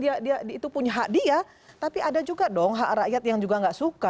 itu punya hak dia tapi ada juga dong hak rakyat yang juga tidak suka